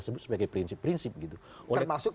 sebut sebagai prinsip prinsip gitu termasuk